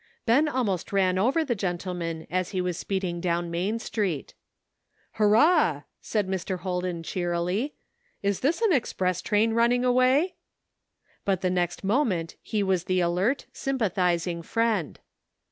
Ben almost ran over the gentleman as he was speeding down Main Street. " Hurrah !" said Mr. Holden cheerily, " is this an express train running away ?" But the next moment he was the alert, sympathizing friend.